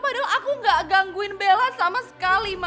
padahal aku nggak gangguin bella sama sekali ma